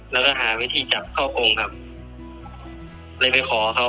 แล้วก็หาวิธีจับเข้ากงครับเลยไปขอเขา